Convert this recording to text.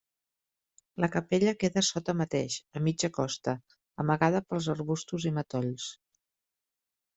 La capella queda sota mateix, a mitja costa, amagada pels arbustos i matolls.